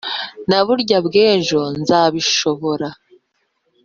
Na burya bw'ejo nzabishobora